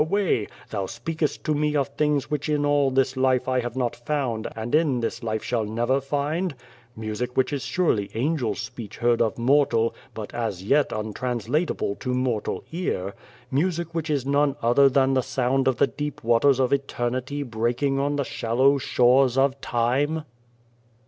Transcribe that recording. Away! thou speakest to me of things which in all this life I have not found, and in this life shall never find '; music which is surely angel speech heard of mortal, but as yet untrans latable to mortal ear ; music which is none other than the sound of the deep waters of Eternity breaking on the shallow shores of Time?"